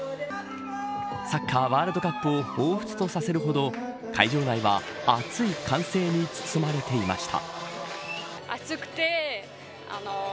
サッカーワールドカップを彷彿とさせるほど会場内は熱い歓声に包まれていました。